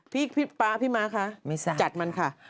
พี่ป๊าพี่ม้าคะจัดมันค่ะ